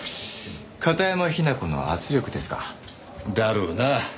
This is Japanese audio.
片山雛子の圧力ですか？だろうな。